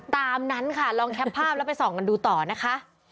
ตามนั้นค่ะลองแคปภาพแล้วไปส่องกันดูต่อนะคะ